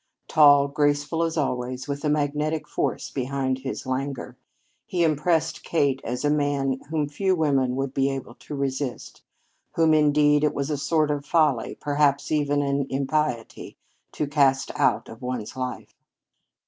Tall, graceful as always, with a magnetic force behind his languor, he impressed Kate as a man whom few women would be able to resist; whom, indeed, it was a sort of folly, perhaps even an impiety, to cast out of one's life.